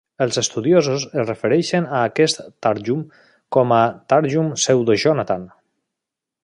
Els estudiosos es refereixen a aquest "targum" com a Targum Pseudo-Jonathan.